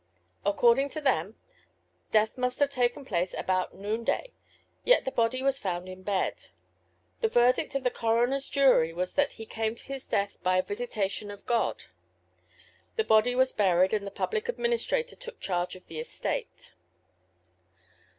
According to them, death must have taken place about noonday, yet the body was found in bed. The verdict of the coronerŌĆÖs jury was that he ŌĆ£came to his death by a visitation of God.ŌĆØ The body was buried and the public administrator took charge of the estate.